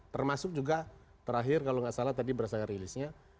termasuk juga terakhir kalau nggak salah tadi berdasarkan rilisnya